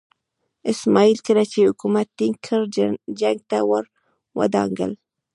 اسماعیل کله چې حکومت ټینګ کړ جنګ ته ور ودانګل.